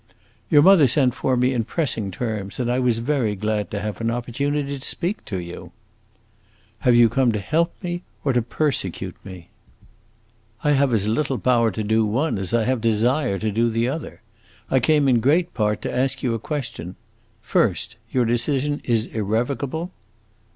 "Your mother sent for me in pressing terms, and I was very glad to have an opportunity to speak to you." "Have you come to help me, or to persecute me?" "I have as little power to do one as I have desire to do the other. I came in great part to ask you a question. First, your decision is irrevocable?"